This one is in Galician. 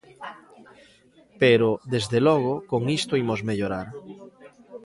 Pero, desde logo, con isto imos mellorar.